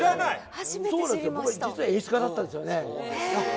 初めて知実は演出家だったんですよね。